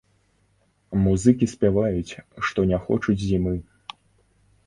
Музыкі спяваюць, што не хочуць зімы.